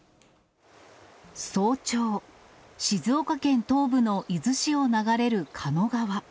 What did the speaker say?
早朝、静岡県東部の伊豆市を流れる狩野川。